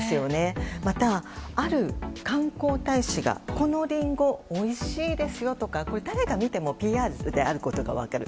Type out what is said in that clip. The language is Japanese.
また、ある観光大使がこのリンゴおいしいですよとか誰が見てもＰＲであることが分かる。